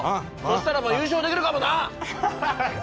そしたら優勝できるかもな！